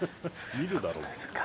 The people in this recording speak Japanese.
見るだろ。